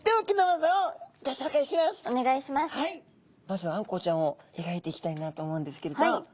まずあんこうちゃんをえがいていきたいなと思うんですけれど。